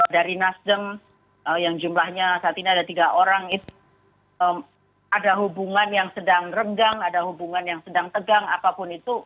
dari nasdem yang jumlahnya saat ini ada tiga orang itu ada hubungan yang sedang renggang ada hubungan yang sedang tegang apapun itu